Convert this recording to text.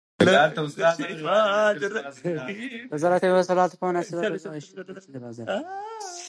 د زراعتي محصولات په مناسبه توګه ویشل د بازار اړتیا پوره کوي.